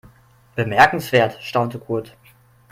Bemerkenswert, staunte Kurt.